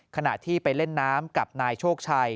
ขณะที่ไปเล่นน้ำกับนายโชคชัย